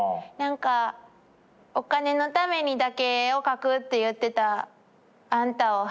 なんかお金のためにだけ絵を描くって言ってたあんたを恥じます。